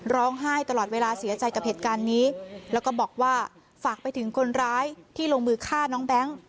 ร้องไห้ตลอดเวลาเสียใจกับเหตุการณ์นี้แล้วก็บอกว่าฝากไปถึงคนร้ายที่ลงมือฆ่าน้องแบงค์